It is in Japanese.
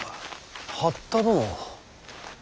八田殿。